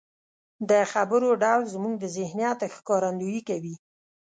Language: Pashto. د خبرو ډول زموږ د ذهنيت ښکارندويي کوي.